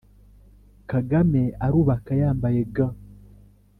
Kagame arubaka yambaye gants.